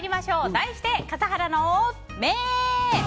題して、笠原の眼！